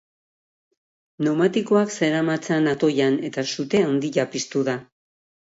Pneumatikoak zeramatzan atoian eta sute handia piztu da.